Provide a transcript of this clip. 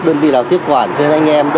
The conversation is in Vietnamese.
đơn vị nào tiếp quản cho anh em